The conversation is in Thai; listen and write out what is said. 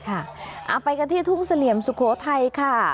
เอาไปกันที่ทุ่งเสลี่ยมสุโขทัยค่ะ